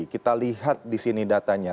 kita lihat di sini datanya